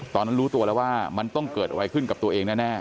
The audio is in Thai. รู้ตัวแล้วว่ามันต้องเกิดอะไรขึ้นกับตัวเองแน่